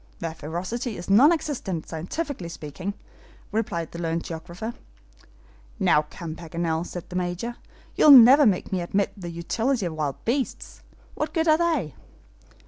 "Their ferocity is non existent, scientifically speaking," replied the learned geographer. "Now come, Paganel," said the Major, "you'll never make me admit the utility of wild beasts. What good are they?"